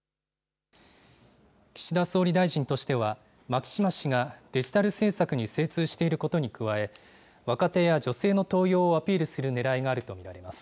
岸田総理大臣としては、牧島氏がデジタル政策に精通していることに加え、若手や女性の登用をアピールするねらいがあると見られます。